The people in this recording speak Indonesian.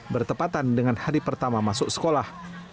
bertepatan dengan hari pertama masuk sekolah